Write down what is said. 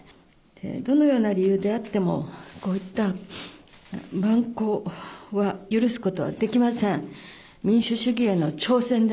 どのような理由であっても、こういった蛮行は許すことはできません。